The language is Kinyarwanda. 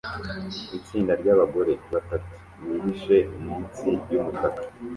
Itsinda ryabagore batatu bihishe munsi yumutaka